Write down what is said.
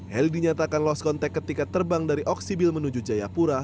heli dinyatakan lost contact ketika terbang dari oksibil menuju jayapura